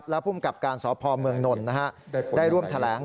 และผู้กับการสอบภอมเมืองนลได้ร่วมแถลง